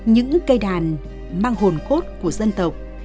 những cây đàn mang hồn cốt của dân tộc